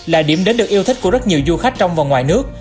là điểm đến được yêu thích của rất nhiều du khách trong và ngoài nước